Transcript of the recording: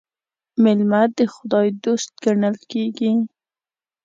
مېلمه د خداى دوست ګڼل کېږي.